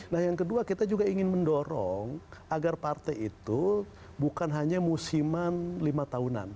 nah yang kedua kita juga ingin mendorong agar partai itu bukan hanya musiman lima tahunan